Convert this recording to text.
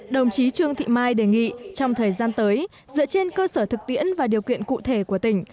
đồng chí trương thị mai đề nghị trong thời gian tới dựa trên cơ sở thực tiễn và điều kiện cụ thể của tỉnh